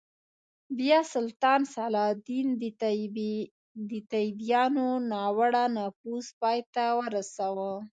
بیا سلطان صلاح الدین د صلیبیانو ناوړه نفوذ پای ته ورساوه.